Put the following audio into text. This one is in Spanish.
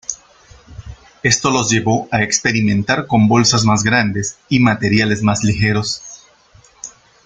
Esto los llevó a experimentar con bolsas más grandes y materiales más ligeros.